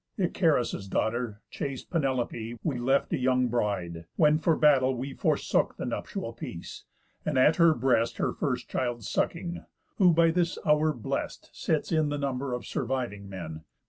Icarius' daughter, chaste Penelope, We left a young bride, when for battle we Forsook the nuptial peace, and at her breast Her first child sucking, who, by this hour, blest, Sits in the number of surviving men.